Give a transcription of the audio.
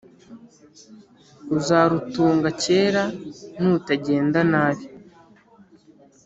uzarutunga kera nutagenda nabi